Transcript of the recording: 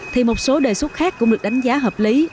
thì một số đề xuất khác cũng được đánh giá hợp lý